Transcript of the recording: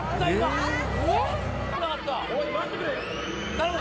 頼む！